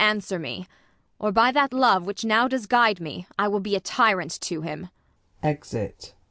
To morrow answer me, or, by that love Which now does guide me, I will be A tyrant to him. [Exit.